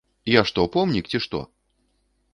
Я што, помнік, ці што?